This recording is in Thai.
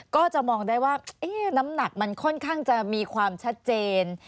ก็จะมองได้ว่าน้ำหนักมันค่อนข้างจะมีความชัดเจน